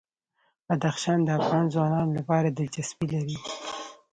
بدخشان د افغان ځوانانو لپاره دلچسپي لري.